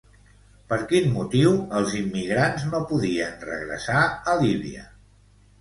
Per quin motiu els immigrants no podien regressar a Líbia?